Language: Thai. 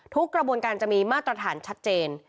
กระบวนการจะมีมาตรฐานชัดเจน